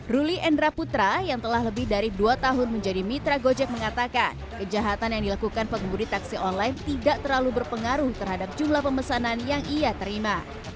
ruli endra putra yang telah lebih dari dua tahun menjadi mitra gojek mengatakan kejahatan yang dilakukan pengemudi taksi online tidak terlalu berpengaruh terhadap jumlah pemesanan yang ia terima